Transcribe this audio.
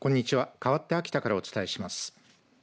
かわって秋田からお伝えします。